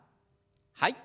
はい。